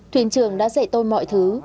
thuyền trường đã dạy tôi mọi thứ